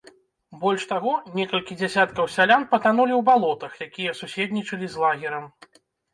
Больш таго, некалькі дзясяткаў сялян патанулі ў балотах, якія суседнічалі з лагерам.